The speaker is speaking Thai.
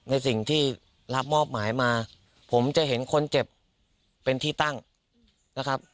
ในสิ่งที่รับมอบหมายมาผมจะเห็นคนเจ็บเป็นที่ตั้งนะครับ